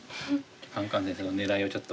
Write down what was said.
カンカン先生の狙いをちょっと。